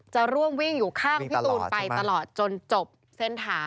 จะร่วมวิ่งอยู่ข้างพี่ตูนไปตลอดจนจบเส้นทาง